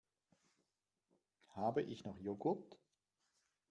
Habe ich noch Joghurt?